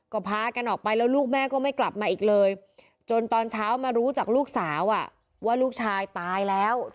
ก็พากันออกไปแล้วลูกแม่ก็ไม่กลับมาอีกเลยจนตอนเช้ามารู้จากลูกสาวว่าลูกชายตายแล้ว